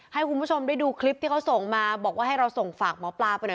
ให้คุณผู้ชมได้ดูคลิปที่เขาส่งมาบอกว่าให้เราส่งฝากหมอปลาไปหน่อย